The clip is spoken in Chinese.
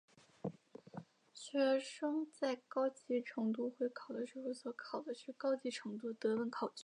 学生在高级程度会考的时候所考的是高级程度的德文考卷。